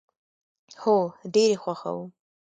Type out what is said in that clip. هو، ډیر یی خوښوم